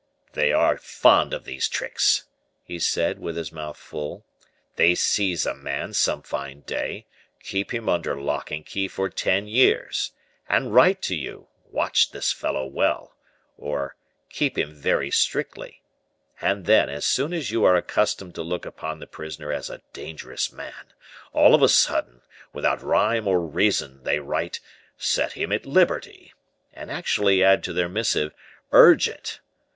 "They are fond of these tricks!" he said, with his mouth full; "they seize a man, some fine day, keep him under lock and key for ten years, and write to you, 'Watch this fellow well,' or 'Keep him very strictly.' And then, as soon as you are accustomed to look upon the prisoner as a dangerous man, all of a sudden, without rhyme or reason they write 'Set him at liberty,' and actually add to their missive 'urgent.